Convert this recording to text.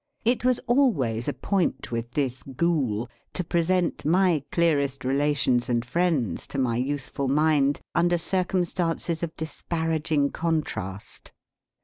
It was always a point with this Ghoul to present my clearest relations and friends to my youthful mind under circumstances of disparaging contrast.